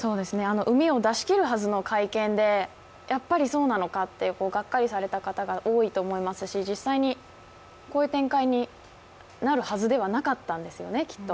うみを出し切るはずの会見でやっぱりそうなのかっていうがっかりされた方が多いと思いますし実際にこういう展開になるはずではなかったんですよね、きっと。